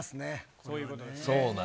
そういうことですね。